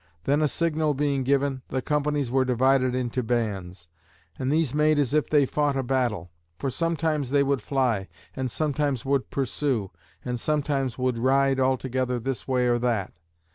Then, a signal being given, the companies were divided into bands, and these made as if they fought a battle. For sometimes they would fly, and sometimes would pursue, and sometimes would ride altogether this way or that.